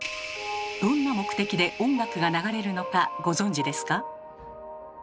どんな目的で音楽が流れるのかご存じですか？